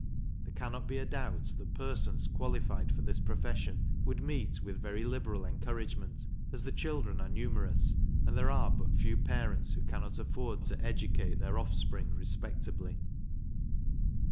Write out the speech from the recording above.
There cannot be a doubt that persons qualified for this profession would meet with very liberal encouragement, as the children are numerous, and there are but few parents who cannot afford to educate their offspring respectably.